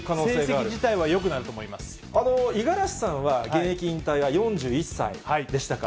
成績自体は、よくなると思い五十嵐さんは現役引退は４１歳でしたか。